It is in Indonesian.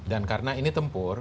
dan karena ini tempur